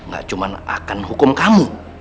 gak cuma akan hukum kamu